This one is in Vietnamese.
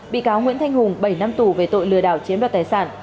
bị cáo nguyễn thanh hùng bảy năm tù về tội lừa đảo chiếm đoạt tài sản